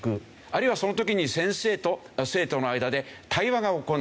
あるいはその時に先生と生徒の間で対話が行われる。